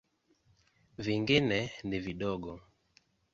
Vingine ni vidogo.